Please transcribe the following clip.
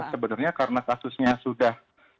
sebenarnya karena kasusnya sudah